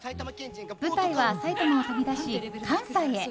舞台は埼玉を飛び出し関西へ。